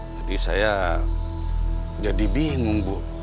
jadi saya jadi bingung bu